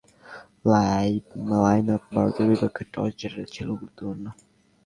তাই বিশ্বের অন্যতম সেরা ব্যাটিং লাইন-আপ ভারতের বিপক্ষে টসে জেতাটা ছিল গুরুত্বপূর্ণ।